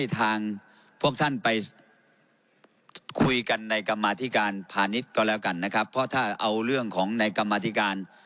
ต้องผ่านนี้แล้วกันนะครับเพราะถ้าเอาเรื่องของในกรรมฐิการ